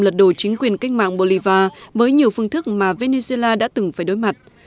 lật đổi chính quyền cách mạng bolívar với nhiều phương thức mà venezuela đã từng phải đối mặt